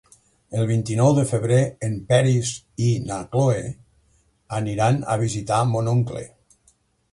El vint-i-nou de febrer en Peris i na Cloè aniran a visitar mon oncle.